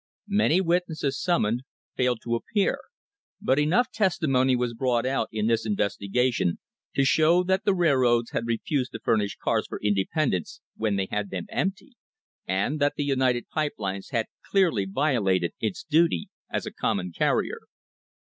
Many witnesses summoned failed to appear, but enough testimony was brought out in this investigation to show that the railroads had refused to furnish cars for independents when they had them empty, and that the United Pipe Lines had clearly violated its duty as a common carrier.